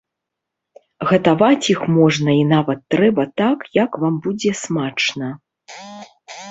Гатаваць іх можна і нават трэба так, як вам будзе смачна.